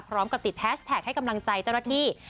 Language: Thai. พร้อมกับติดแฮชแท็กให้กำลังใจเจ้าหน้าที่